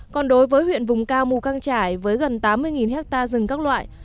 còn đối với huyện vùng cao mù căng trải với gần tám mươi hectare rừng các loại